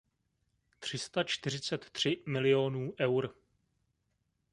Tři sta čtyřicet tři miliónů eur.